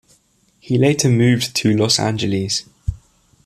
He later moved to Los Angeles.